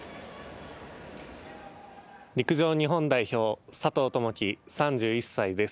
陸上日本代表佐藤友祈、３１歳です。